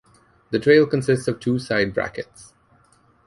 The trail consists of two side brackets.